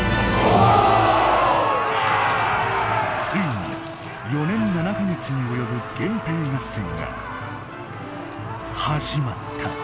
ついに４年７か月に及ぶ源平合戦が始まった。